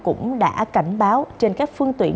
cũng đã cảnh báo trên các phương tuyển